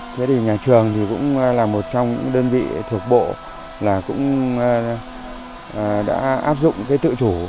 thế thì nhà trường thì cũng là một trong những đơn vị thuộc bộ là cũng đã áp dụng cái tự chủ